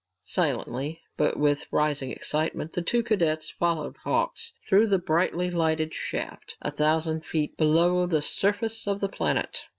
Silently, but with rising excitement, the two cadets followed Hawks through the brightly lighted shaft, a thousand feet below the surface of the planet.